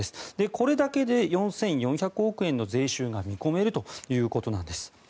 これだけで４４００億円の税収が見込めるということです。